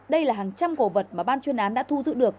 đây là hàng trăm cổ vật mà ban chuyên án đã thu giữ được